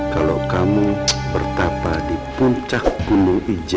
kalau kamu bertapa di puncak gunung ijen